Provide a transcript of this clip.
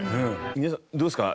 皆さんどうですか？